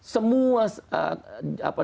semua daerahnya sudah banyak